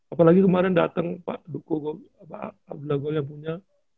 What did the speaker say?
apalagi kemarin dateng pak duko pak abdulahgol yang punya